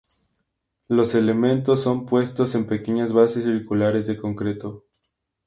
Los elemento son puesto en pequeñas bases circulares de concreto.